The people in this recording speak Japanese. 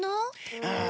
ああ。